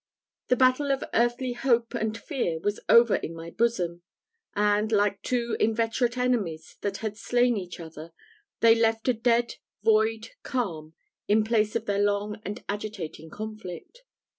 The battle of earthly hope and fear was over in my bosom; and, like two inveterate enemies that had slain each other, they left a dead, void calm, in place of their long and agitating conflict.